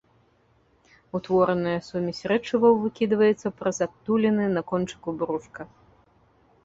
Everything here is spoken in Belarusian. Утвораная сумесь рэчываў выкідваецца праз адтуліны на кончыку брушка.